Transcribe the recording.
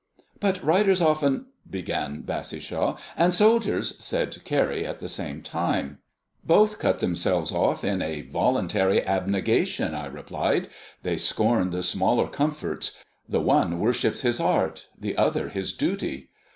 "But writers often " began Bassishaw. "And soldiers " said Carrie at the same time. "Both cut themselves off in a voluntary abnegation," I replied. "They scorn the smaller comforts; the one worships his art, the other his duty.